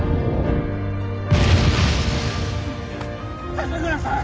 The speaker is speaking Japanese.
高倉さん！